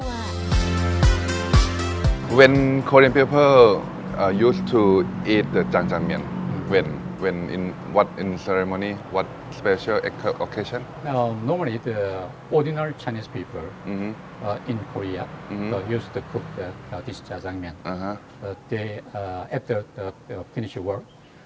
แล้วก็จาดังเป็นประโยชน์ที่ง่ายและง่ายที่คุก